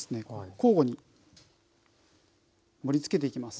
交互に盛りつけていきます。